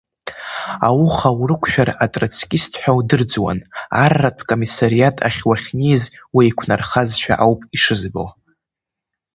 Ауха урықәшәар, атроцкист ҳәа удырӡуан, арратә комиссариат ахь уахьнеиз уеиқәнархазшәа ауп ишызбо.